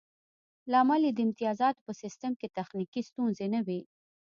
لامل یې د امتیازاتو په سیستم کې تخنیکي ستونزې نه وې